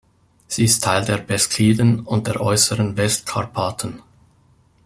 Sie ist Teil der Beskiden und der Äußeren Westkarpaten.